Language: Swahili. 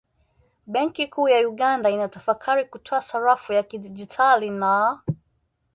Benki kuu ya Uganda inatafakari kutoa sarafu ya kidigitali na